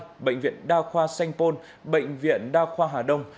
bệnh viện bạch minh mai bệnh viện đa khoa sanh pôn bệnh viện đa khoa hà đông